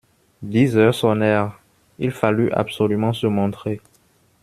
Dix heures sonnèrent : il fallut absolument se montrer.